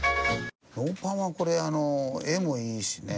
「ノーパン」はこれ絵もいいしね。